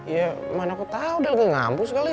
ya mana aku tau dia lagi ngampus kali